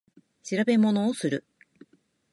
調べ物をする